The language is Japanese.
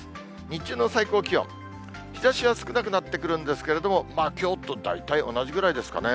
日中の最高気温、日ざしは少なくなってくるんですけれども、きょうと大体同じぐらいですかね。